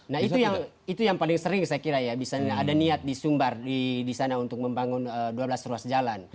nah itu yang paling sering saya kira ya bisa ada niat di sumbar di sana untuk membangun dua belas ruas jalan